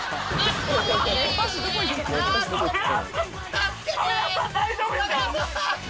助けて！